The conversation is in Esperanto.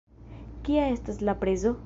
Kia estas la prezo?